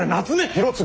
広次。